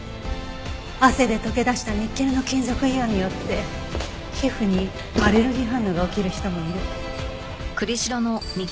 汗で溶け出したニッケルの金属イオンによって皮膚にアレルギー反応が起きる人もいる。